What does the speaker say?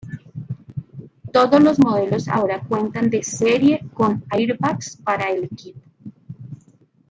Todos los modelos ahora cuentan de serie con airbags para el equipo.